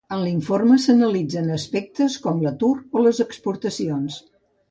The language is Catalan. En l'informe s'analitzen aspectes com l'atur o les exportacions.